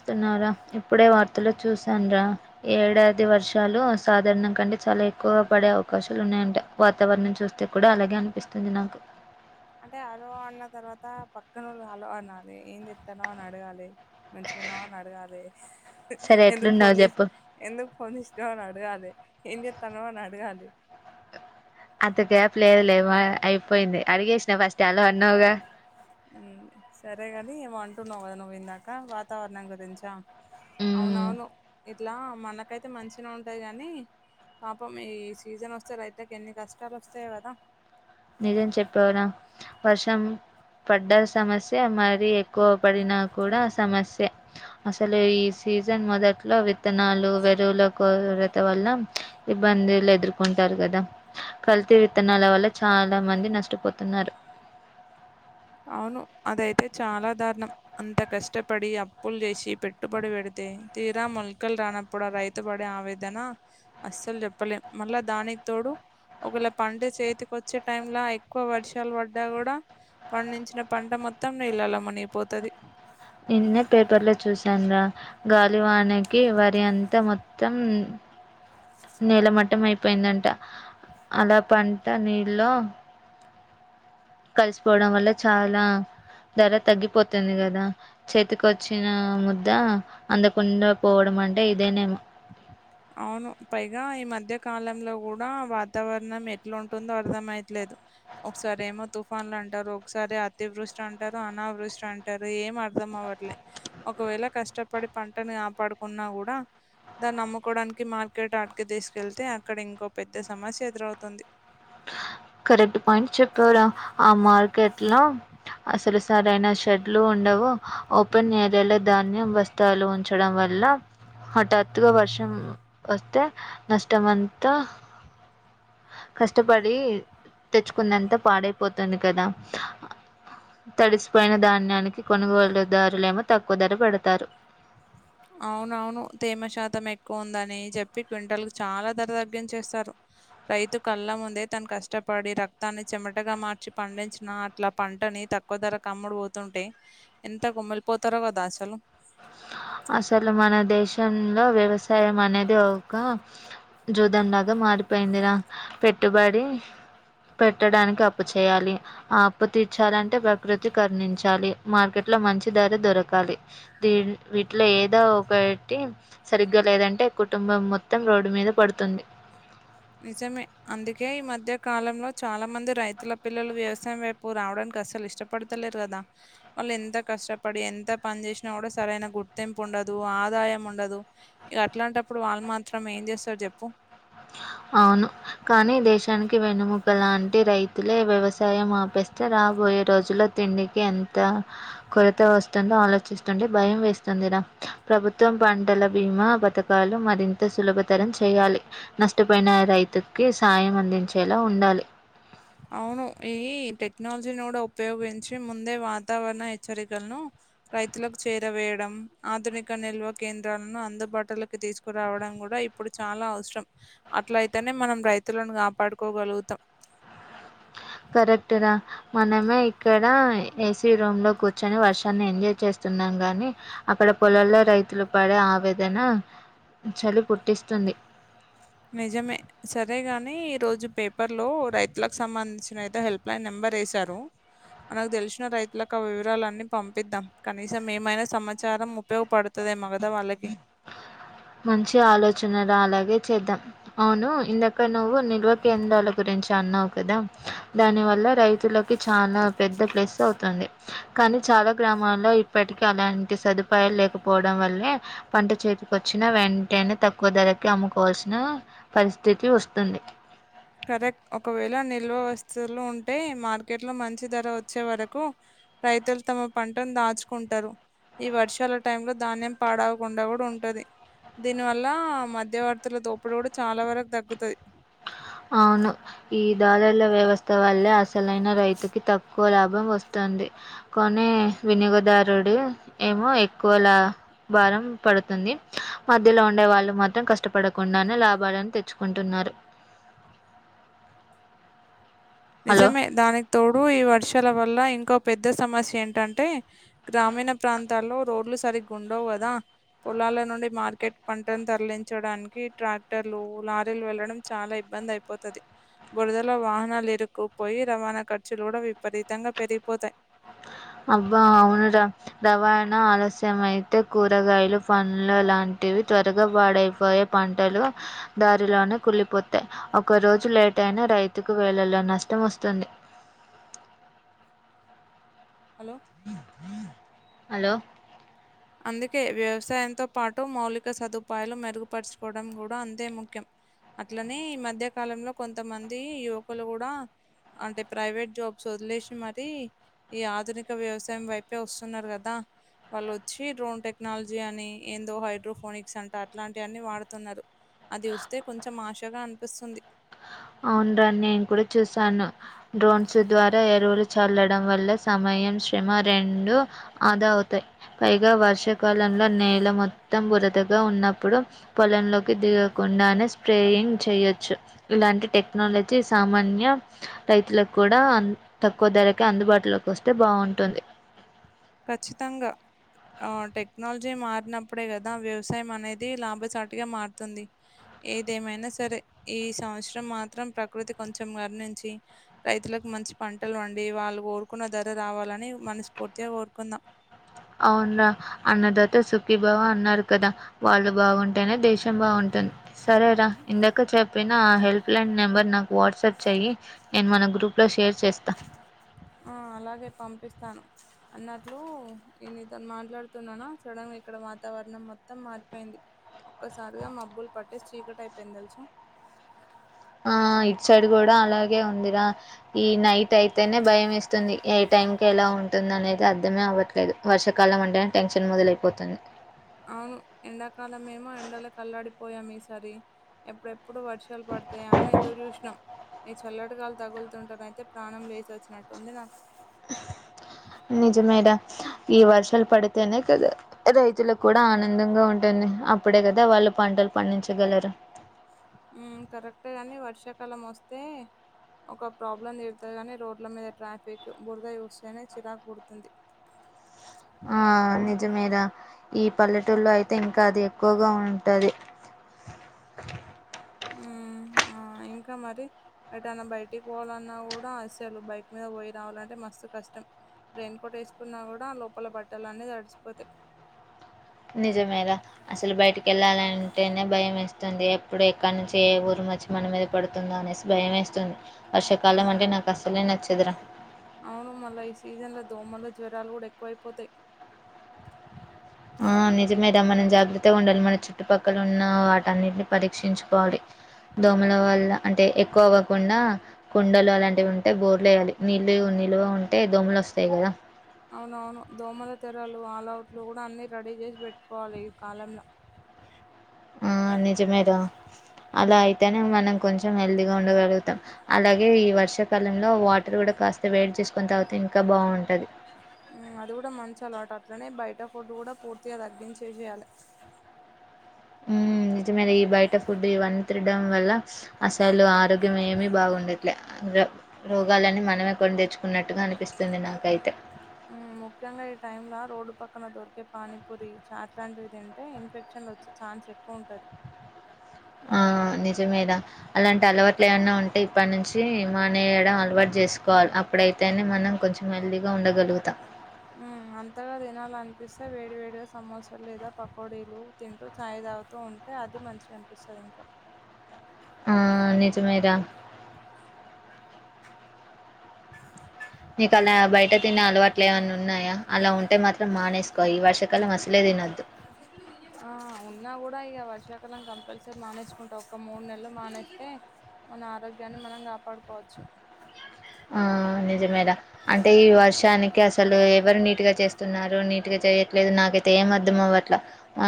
స్తున్నారా ఇప్పుడే వార్తలో చూసాను రా ఏడాది వర్షాలు సాధారణం కంటే చాలా ఎక్కువ పడే అవకాశాలు ఉన్నాయంటే వాతావరణం చూస్తే కూడా అలాగే అనిపిస్తుంది నాకు అంటే హలో అన్న తర్వాత పక్కనోళ్లు హలో అనాలి ఏం చెత్తనవో అని అడగాలి మంచి అడగాలి సరే ఎందుకు ఎట్లున్నావు ఫోన్ చే చెప్పు ఎందుకు ఫోన్ చేసినావు అని అడగాలి ఏం చెత్తన్నావు అని అడగాలి అంతగ్యాప్ లేదులే అయిపోయింది అడిగేసినా ఫస్ట్ హలో అన్నావుగా సరేగాని ఏమో అంటున్నావు కదా నువ్వు ఇందాక వాతావరణం గురించా మ్మ్. అవునవును ఇట్లా మనకైతే మంచిగా ఉంటాది కానీ పాపం ఈ సీజన్ వస్తే రైతులకు ఎన్ని కష్టాలు వస్తాయో కదా నిజేం చెప్పావురా వర్షం పడ్డ సమస్య మరి ఎక్కువ పడినా కూడా సమస్య అసలు ఈ సీజన్ మొదట్లో విత్తనాలు వెరువుల కొరత వల్ల ఇబ్బందులు ఎదుర్కొంటారు కదా కల్తీ విత్తనాల వల్ల చాలా మంది నష్టపోతున్నారు అవును అదైతే చాలా దారుణం అంత కష్టపడి అప్పులు చేసి పెట్టుబడి పెడితే తీరా మొలకలు రానప్పుడు ఆ రైతు పడే ఆవేదన అస్సలు చెప్పలేము మళ్ళా దానికి తోడు ఒకేళ పంట చేతికి వచ్చే టైంలా ఎక్కువ వర్షాలు పడ్డా కూడా పండించిన పంట మొత్తం నీళ్ళల్లో మునిగిపోతాది నిన్నే పేపర్ లో చూశాను రా గాలివానకి వరి అంతా మొత్తం నేల మట్టం అయిపోయిందంట అలా పంట నీళ్లో కలిసిపోవడం వల్ల చాలా ధర తగ్గిపోతుంది కదా చేతికి వచ్చిన ముద్ద అందకుండా పోవడం అంటే ఇదేనేమో అవును పైగా ఈ మధ్య కాలంలో కూడా వాతావరణం ఎట్లుంటుందో అర్థమైతేలేదు ఒకసారి ఏమో తుఫాన్లు అంటారు ఒకసారి అతి వృష్టి అంటారు అనా వృష్టి అంటారు ఏమ అర్థం అవట్లే ఒకవేళ కష్టపడి పంటని కాపాడుకున్నా కూడా దాన్ని అమ్ము అమ్ముకోవడానికి మార్కెట్ ఆటికే తీసుకెళ్తే అక్కడ ఇంకో పెద్ద సమస్య ఎదురవుతుంది కరెక్ట్ పాయింట్ చెప్పావు రా ఆ మార్కెట్ లో అసలు సరైన షెడ్లు ఉండవు ఓపెన్ ఏరియాలో ధాన్యం బస్తాలు ఉంచడం వల్ల ఎలా హఠాత్తుగా వర్షం వస్తే నష్టం అంతా కష్టపడి తెచ్చుకుందంతా పాడైపోతుంది కదా తడిసిపోయిన ధాన్యానికి కొనుగోలుదారులేమో తక్కువ ధర పెడతారు అవునవును తేమ శాతం ఎక్కువ ఉందని చెప్పి క్వింటల్ కి చాలా ధర తగ్గించేస్తారు రైతు కళ్ళ ముందే తను కష్టపడి రక్తాన్ని చెమటగా మార్చి పండించిన అట్లా పంట ని తక్కువ ధర అమ్ముడు పోతుంటే ఎంత కుమిలి పోతారో కదా అసలు అసలు మన దేశంలో వ్యవసాయం అనేది ఒక జూదంలాగా మ మారిపోయిందిరా పెట్టుబడి పెట్టడానికి అప్పు చేయాలి ఆ అప్పు తీర్చాలంటే ప్రకృతి కరుణించాలి మార్కెట్ ఇట్లా మంచి ధర దొరకాలి దీ వీటిలో ఏదో ఒకటి సరిగ్గా లేదంటే కుటుంబం మొత్తం రోడ్డు మీద పడుతుంది నిజమే అందుకే ఈ మధ్య కాలంలో చాలా మంది రైతుల పిల్లలు వ్యవస వైపు రావడానికి అసలు ఇష్టపడతలేరు కదా వాళ్ళు ఎంత కష్టపడి ఎంత పని చేసినా కూడా సరైన గుర్తింపు ఉండదు ఆదాయం ఉండదు ఇ అట్లాంటప్పుడు వాళ్ళు మాత్రం ఏం చేస్తారు చెప్పు అ అవును కానీ దేశానికి వెన్నుముక్క లాంటి రైతులే వ్యవసాయం ఆపేస్తే రాబో పోయే రోజుల్లో తిండికి ఎంత కొరత వస్తుందో ఆలోచిస్తుంటే భయం వేస్తుందిరా ప్రభుత్వం పంటల బీమా పథకాలు మరింత సులభతరం చేయాలి నష్టపోయిన రైతుకి సాయం అందించేలా ఉండాలి అవును ఈ టెక్నాలజీని కూడా ఉపయోగించి ముందే వాతావరణ హెచ్చరికలను రైతులకు చేరవేయడం ఆధునిక నిల్వ కేంద్రాలను అందుబాటులోకి తీసుకురావడం కూడా ఇప్పుడు చాలా అవసరం అట్ల అయితేనే మనం రైతులను కాపాడుకోగలుగుతాం కరెక్ట్ రా మనమే ఇక్కడ ఏసీ రూమ్ లో కూర్చొని వర్షాన్ని ఎంజాయ్ చేస్తున్నా గాని అక్కడ పొలాల్లో రైతులు పడే ఆవేదన చలి పుట్టిస్తుంది నిజమే సరేగాని ఈ రోజు పేపర్ లో రైతులకు సంబంధించినయితే హెల్ప్లైన్ నెంబర్ నెంబర్ వేసారు మనకు తెలిసిన రైతులకు ఆ వివరాలన్నీ పంపిద్దాం కనీసం ఏమైనా సమాచారం ఉపయోగపడుతుంది ఏమో కదా వాళ్ళకి మంచి ఆలోచన రా అలాగే చేద్దాం అవును ఇందాక నువ్వు నిల్వ కేంద్రాల గురించి అన్నావు కదా దాని వల్ల రైతు తులకి చాలా పెద్ద ప్లేస్ అవుతుంది కానీ చాలా గ్రామాల్లో ఇప్పటికీ అలాంటి సదుపాయాలు లేకపోవడం వల్లే పంట చేతికి వచ్చ వచ్చిన వెంటనే తక్కువ ధరకి అమ్ముకోవాల్సిన పరిస్థితి వస్తుంది కరెక్ట్ ఒకవేళ నిల్వ వస్తువులు ఉంటే మార్కెట్ లో మంచి ధర వచ్చే వరకు రైతులు తమ పంటను దాచుకుంటారు ఈ వర్షాల టైం లో ధాన్యం పాడవకుండా కూడా ఉంటది దీనివల్ల మధ్యవర్తుల దోపుడు కూడా చాలా వరకు తగ్గుతుంది అవును ఈ దారుర్ల వ్యవస్థ వల్లే అసలైన రైతుకి తక్కువ ఎక్కువ లాభం వస్తుంది కొనే వినియోగదారుడు ఏమో ఎక్కువ లా భారం పడుతుంది మధ్యలో ఉండే వాళ్ళు మాత్రం కష్టపడకుండానే లాభాలను తెచ్చుకుంటున్నారు మరి హలో నిజమే దానికి తోడు ఈ వర్షాల వల్ల ఇం ఒక పెద్ద సమస్య ఏంటంటే గ్రామీణ ప్రాంతాల్లో రోడ్లు సరిగ్గా ఉండవు కదా పొలాల నుండి మార్కెట్ పంటను తరలించడానికి ట్రాక్టర్లు లారీలు వెళ్లడం చాలా ఇబ్బ ఇబ్బంది అయిపోతది బురదలో వాహనలు ఇరు కుపోయి రవాణా ఖర్చులు కూడా విపరీతంగా పెరిగిపోతాయి అబ్బా అవును రా రవాయణా ఆలస్యం అయితే కూరగాయలు పండ్లు లాంటి టివి త్వరగా వాడైపోయే పంటలు దారిలోనే కులిపోతాయి ఒకరోజు లేట్ టైనా రైతుకు వేళల్లో నష్టం వస్తుంది హలో హలో అందుకే వ్యవసాయంతో పాటు మౌలిక సదుపాయాలు మెరుగుపరుచుకోవడం కూడా అంతే ముఖ్యం అట్లనే ఈ మధ్య కాలంలో కొంతమంది యువకులు కూడా అంటే ప్రైవేట్ జాబ్స్ వదిలేసి మరి ఈ ఆధునిక వ్యవసాయం వైపే వస్తున్నారు కదా వాళ్ళు వచ్చి డ్రోన్ టెక్నాలజీ అని ఏందో హైడ్రోఫోనిక్స్ అంట అట్లాంటి అన్ని వాడుతున్నారు అది వస్తే కొంచెం ఆశాగా అనిపిస్తుంది అవును రా నేను కూడా చూసాను డ్రోన్స్ ద్వారా ఎరువులు చల్లడం వల్ల సమ మయం శ్రమ రెండూ ఆదా అవుతాయి పైగా వర్షాకాలంలో నేల మొత్తం బురతగా ఉన్నప్పుడు పొలంలోకి దిగకుండానే స్ప్రేయింగ్ చేయొచ్చు ఇలాంటి టెక్నాలజీ సామాన్య రైతులకు కూడా తక్కువ ధరకే అందుబాటులోకి వస్తే బావుంటుంది ఖచ్చితంగా ఆ టెక్నాలజీ మారినప్పుడే గదా వ్యవసాయం అనేది లాభసాటిగా మారుతుంది ఏదేమైనా సరే ఈ సంవత్సరం మాత్రం ప్రకృతి కొంచెం గరుణించి రైతులకు మంచి పంటలు వండి వాళ్ళు కోరుకున్న ధర రావాలని మనస్ఫూర్తిగా గోరుకుందా అవును రా అన్నదాత సుఖీభవ అన్నారు కదా వాళ్ళు బావుంటేనే దేశం బావుం తున్ సరేరా ఇందాక చెప్పిన ఆ హెల్ప్ లైన్ నెంబర్ నాకు వాట్సాప్ చెయ్యి నేను మన గ్రూప్ లో షేర్స్ ఆ అలాగే పంపిస్తాను అన్నట్లు ఈ నీతోని మాట్లాడుతున్నానా సడన్ గా ఇక్కడ వాతావరణం మొత్తం మారిపోయింది ఒక్కసారిగా మబ్బులు పట్టేసి చీకటి అయిపోయింది తెలుసా ఆ ఇటు సైడు గూడా అలా ఏ ఉందిరా ఈ నైట్ అయితేనే భయం ఏస్తుంది ఏ టైం కి ఎలా ఉంటుంది అనేది అర్థమే అవ్వట్లేదు వర్షకాలం అంటేనే టెన్షన్ మొదలైపోతుంది అవును ఎండాకాలం ఏమో ఎండలకు అల్లాడిపోయాం ఈసారి ఎప్పుడె ప్పుడు వర్షాలు పడతాయా అని ఎదురు చూషిణం ఈ చల్లటిగాలి తగులుతుంటేనైతే ప్రాణం లేసొచ్చినట్టుంది నాకు నిజమేరా ఈ వర్షాలు పడితేనే కదా రైతులకు కూడా ఆనందంగా ఉంటుం అప్పుడే గదా వాళ్ళు పంటలు పండించగలరు ఊ కరెక్టే గానీ వర్షాకాలం వొస్తే ఒక ప్రాబ్లం తీరుతేగానే రోడ్ల మీద ట్రాఫిక్ బురదా యూస్తేనే చిరాకు పుడుతుంది ఆ నిజమేరా ఈ పల్లెటూల్లో అయితే ఇంకా అది ఎక్కువగా ఉంటాది ఊ ఆ ఇం కా మరి ఎటన్నా బయటికి పోవాలన్నా గూడా అసేలు బైక్ మీద పోయి రావాలంటే మస్తు కష్టం రెయిన్ కోట్ ఎసుకున్నా గూడా లోపల బట్టలన్నీ తడిసిపోతాయి నిజమేరా అసలు బయటికెళ్ళాలంటేనే భయమేస్తుంది ఎప్పుడు ఎక్కడ నుంచి ఏ ఉరుమొచ్చి మన మీద పడుతుందా అన్ నేసి భయమేస్తుంది వర్షాకాలం అంటే నాకు అసలే నచ్చదురా అవును మళ్ళా ఈ సీజన్లో దోమలు జ్వరాలు గూడా ఎక్కువైపోతాయి ఆ నిజమే దా మనం జాగ్రత్తగా ఉండాలి మన చుట్టుపక్కల ఉన్న వాటన్నిటినీ పరీక్షించుకోవాలి దోమల వల్ల అంటే ఎక్కువ అవ్వకుండా కుండలు అలాంటివి ఉంటే బోర్లేయాలి నీళ్ళ ఉన్ నిలువ ఉంటే దోమలు వస్తాయి గదా అవునవును దోమల తెరలు ఆలవుట్లు గూడా అన్నీ రెడీ చేసి పెట్టుకోవాలి ఈ కాలంలో ఆ నిజమే రా అలా అయితేనే మనం కొంచెం హెల్దీ గా ఉండగలుగుతాం అలాగే ఈ వర్షాకాలంలో వాటర్ గూడా కాస్త వేడి చేసుకొని తాగితే ఇంకా బావుంటది ఊ అది కూడా మంచి అలవాట అట్లనే బయట ఫుడ్డు గూడా పూర్తిగా తగ్గించే చెయ్యాలి ఊ నిజమేరీ ఈ బయట ఫుడ్ ఇవం తిరడం వల్ల అసలు ఆరోగ్యం ఏమీ బాగుండట్లే రోగాలని మనమే కొని తెచ్చుకున్నట్టుగా అనిపిస్తుంది నాకైతే ఉమ్ ముఖ్యంగా ఈ టైంలా రో డ్డు పక్కన దొరికే పానీపూరి చాట్లాంటివి తింటే ఇన్ఫెక్షన్ వచ్చే ఛాన్స్ ఎక్కువ ఉంటది ఆ నిజమేరా అలాంటి అలవాట్లు ఏమన్నా ఉంటే ఇప్పటి నుంచి మానేయడం అలవాటు జేసుకోవాలి అప్పుడైతేనే మనం మనం కొంచెం హెల్దీగా ఉండగలుగుతాం ఉమ్ అంతగా తినాల అనిపిస్తే వేడి వేడిగా సమోసలు లేదా పకోడీలు తింటూ చాయ్ తాగుతూ ఉంటా అది మంచిగా అనిపిస్తది ఇంకా ఆ నిజమేరా నీకు అలా బయట తినే అలవాట్లు ఏవన్నా ఉన్నాయా అలా ఉంటే మాత్రం మానేసుకో అక్క ఈ వర్షకాలం అసలే తినొద్దు ఆ ఉన్నా కూడా ఇక వర్షాకాలం కంపల్సరీ మానేసుకుంటా ఒక మూడు నెలలు మానేస్తే మన ఆరోగ్యాన్ని మనం కాపాడుకోవచ్చు ఆ నిజమేరా అంటే ఈ వర్షానికి అసలు ఎవరు నీట్ గా చేస్తున్నారు నీట్ గా చేయట్లేదు నాకైతే ఏ అద్దం అవ్వట్ల ఆ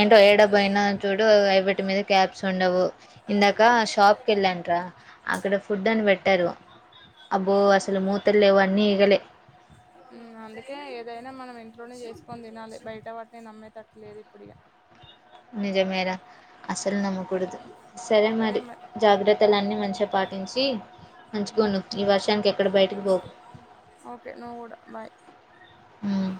ఏంటో ఏడ బోయినా చూడు ఎవిటి మీద క్యాబ్స్ ఉండవు ఇందాక షాప్ కెళ్ళాను రా అక్కడ ఫుడ్ అని పెట్ అబ్బో అసలు మూత లేవు అన్నీ ఈగలే ఉమ్ అందుకే ఏదైనా మనం ఇంట్లోనే చేసుకొని తినాలి బయట వాటిని నమ్మే తట్టులేదు ఇప్పుడిగా నిజమేరా అసలు నమ్మకూడదు సరే మరి జాగ్రత్తలన్నీ మంచి గ పాటించి మంచిగా ఉండు ఈ వర్షానికి ఎక్కడ బయటికి పోకు ఓకే నువ్ గూడా బాయ్ ఉమ్.